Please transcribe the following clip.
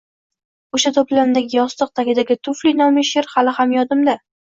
O‘sha to‘plamdagi Yostiq tagidagi tufli nomli she’r hali ham yodimda